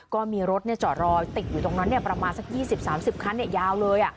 ก็มีรถจอดรอติดอยู่ตรงนั้นประมาณสัก๒๐๓๐คันยาวเลย